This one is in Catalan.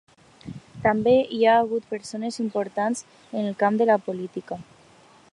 També hi ha hagut persones importants en el camp de la política.